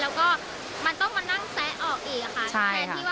แล้วก็มันต้องมานั่งแซะออกอีกค่ะ